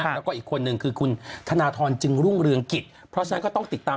แล้วก็อีกคนนึงคือคุณธนทรจึงรุ่งเรืองกิจเพราะฉะนั้นก็ต้องติดตาม